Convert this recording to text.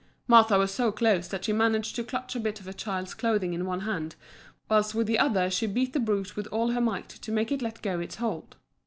Martha was so close that she managed to clutch a bit of the child's clothing in one hand, whilst with the other she beat the brute with all her might to make it let go its hold.